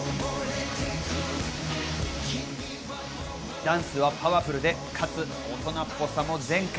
ダンスはパワフルでかつ、大人っぽさも全開。